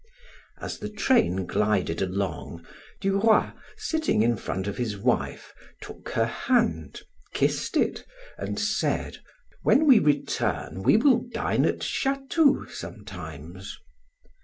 As the train glided along, Duroy seated in front of his wife, took her hand, kissed it, and said: "When we return we will dine at Chatou sometimes."